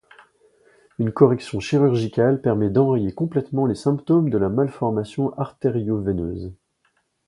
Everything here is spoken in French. Une correction chirurgicale permet d'enrayer complètement les symptômes de la malformation artério-veineuse.